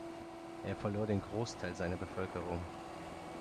Er verlor den Großteil seiner Bevölkerung.